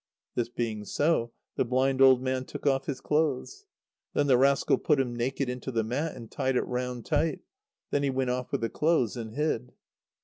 This being so, the blind old man took off his clothes. Then the rascal put him naked into the mat, and tied it round tight. Then he went off with the clothes, and hid.